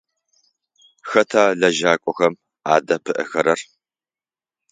Хэта лэжьакӏохэм адэӏэпыӏэхэрэр?